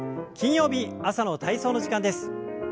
金曜日朝の体操の時間です。